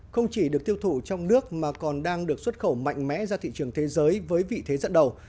không chỉ được tiêu thụ trong nước mà còn đang được xuất khẩu mạnh mẽ ra thị trường thế giới với vị thế dẫn đầu